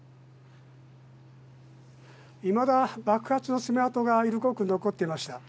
いまだ爆発の爪痕が色濃く残っていました。